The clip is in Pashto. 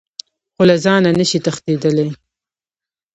خو له ځانه نه شئ تښتېدلی .